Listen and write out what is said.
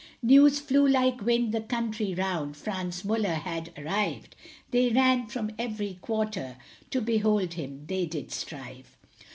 News flew like wind the country round Franz Muller had arrived, They ran from every quarter, To behold him they did strive.